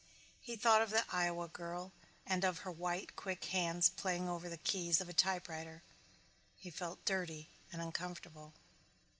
He thought of the Iowa girl and of her white quick hands playing over the keys of a typewriter. He felt dirty and uncomfortable.